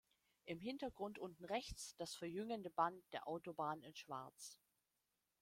Im Hintergrund unten rechts das verjüngende Band der Autobahn in Schwarz.